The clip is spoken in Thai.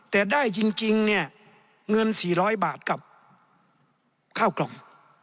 แต่ได้จริงเนี่ยเงิน๔๐๐บาทกับข้าวกล่อง